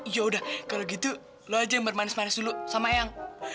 ya udah kalau gitu lo aja yang bermanis manis dulu sama eyang